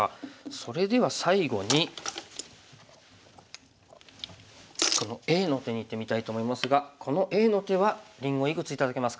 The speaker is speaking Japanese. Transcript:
それでは最後にこのＡの手にいってみたいと思いますがこのＡの手はりんごいくつ頂けますか？